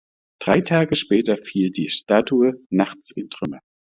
Drei Tage später fiel die Statue nachts in Trümmer.